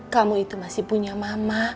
kamu itu masih punya mama